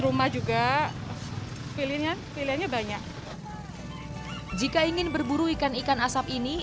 rumah juga pilihannya pilihannya banyak jika ingin berburu ikan ikan asapnya harus memiliki